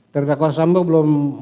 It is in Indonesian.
terdakwa sambo belum ada